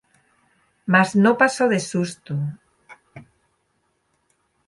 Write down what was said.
Más no pasó de susto.